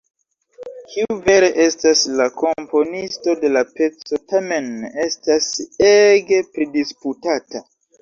Kiu vere estas la komponisto de la peco, tamen estas ege pridisputata.